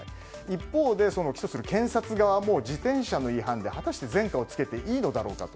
一方で、起訴する検察側も自転車の違反で果たして前科をつけていいのだろうかと。